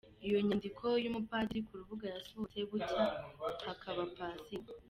Iyo nyandiko y’umupadiri ku urubuga, yasohotse bucya hakaba Pasika.